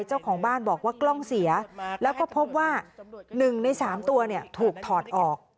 เจ้าของบ้านบอกว่ากล้องเสียแล้วก็พบว่า๑ใน๓ตัวถูกถอดออก